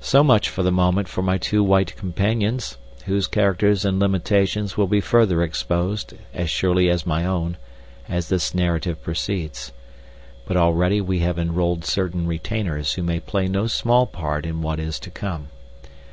So much, for the moment, for my two white companions, whose characters and limitations will be further exposed, as surely as my own, as this narrative proceeds. But already we have enrolled certain retainers who may play no small part in what is to come.